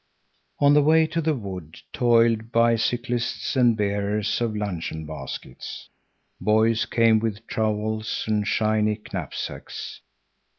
On the way to the wood toiled bicyclists and bearers of luncheon baskets. Boys came with trowels and shiny knapsacks.